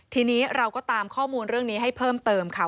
ทีนี้เราก็ตามข้อมูลเรื่องนี้ให้เพิ่มเติมค่ะ